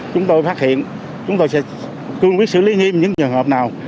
chúng tôi phát hiện chúng tôi sẽ cương quyết xử lý nghiêm những trường hợp nào